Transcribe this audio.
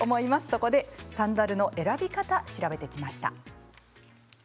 そこでサンダルの選び方を調べてきました。